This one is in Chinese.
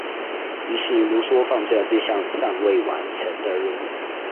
于是卢梭放弃了这项尚未完成的任务。